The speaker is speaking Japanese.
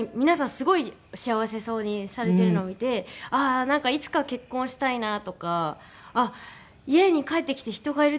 すごい幸せそうにされているのを見て「ああなんかいつか結婚したいな」とか「家に帰ってきて人がいるってそんなに楽しいんだ」とか。